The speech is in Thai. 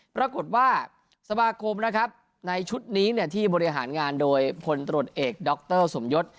ปรากฏว่าสมาคมนะครับในชุดนี้ที่บริหารงานโดยพลตรวจเอกดรสมยศ